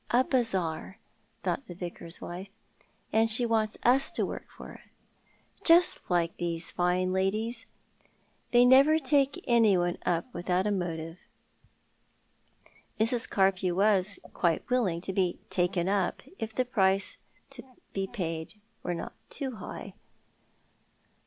" A bazaar," thought the Vicar's wife, " and she wants us to work for it. Just like these fine ladies. They never take any one up without a motive." Mrs. Carpew was quite willing to be " taken up," if the price to be paid were not too high.